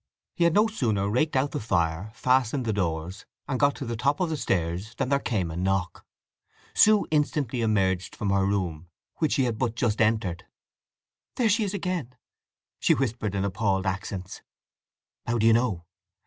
He had no sooner raked out the fire, fastened the doors, and got to the top of the stairs than there came a knock. Sue instantly emerged from her room, which she had but just entered. "There she is again!" Sue whispered in appalled accents. "How do you know?"